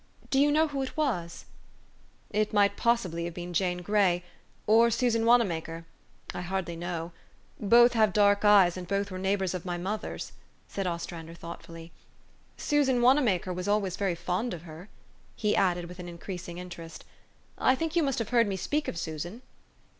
Do you know who it was? "" It might have been Jane Gray, or Susan Wana maker, possibly : I hardly know. Both have dark eyes, and both were neighbors of mother's/' said Ostrander thoughtfully. " Susan Wanamaker was always very fond of her," he added with an increas ing interest. "I think you must have heard me speak of Susan?"